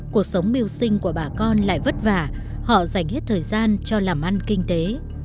cuộc sống mưu sinh của bà con lại vất vả họ dành hết thời gian cho làm ăn kinh tế